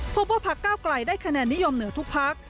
พบว่าพักเก้าไกลได้คะแนนนิยมเหนือทุกพัก